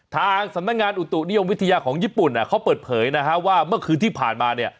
ทางสำนักงานอุตุนิยมวิทยาของญี่ปุ่นเขาเปิดเผยนะฮะว่าเมื่อคืนที่ผ่านมาเนี่ย